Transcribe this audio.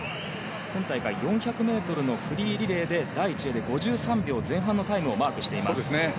今大会４００ｍのフリーリレーで第１泳で５３秒前半のタイムをマークしています。